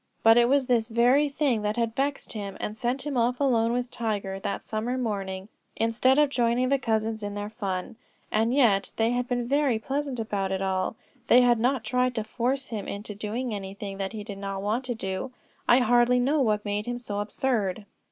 But it was this very thing that had vexed him, and sent him off alone with Tiger, that summer morning, instead of joining the cousins in their fun. And yet they had been very pleasant about it all; they had not tried to force him into doing anything that he did not want to do. I hardly know what made him so absurd.